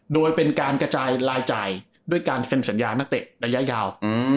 โดยเป็นการกระจายรายจ่ายด้วยการเซ็นสัญญานักเตะระยะยาว